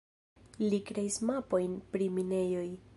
Li kreis mapojn pri minejoj.